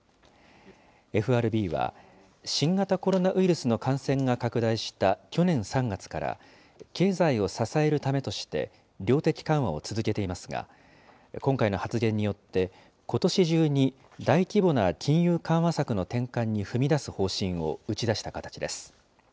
ＦＲＢは、新型コロナウイルスの感染が拡大した去年３月から、経済を支えるためとして、量的緩和を続けていますが、今回の発言によって、ことし中に大規模な金融緩和策の転換に踏み出す方針を打ち出した形です。